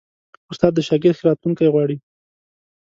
استاد د شاګرد ښه راتلونکی غواړي.